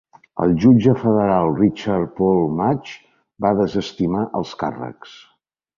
El jutge federal Richard Paul Matsch va desestimar els càrrecs.